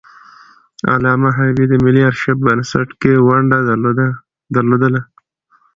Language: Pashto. علامه حبيبي د ملي آرشیف بنسټ کې ونډه درلودله.